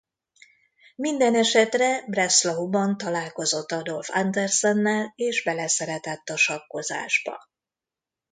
Mindenesetre Breslauban találkozott Adolf Anderssennel és beleszeretett a sakkozásba.